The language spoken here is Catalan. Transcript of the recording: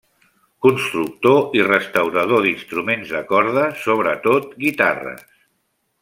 Constructor i restaurador d'instruments de corda, sobretot guitarres.